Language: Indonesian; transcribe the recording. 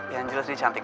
yang jelas dia cantik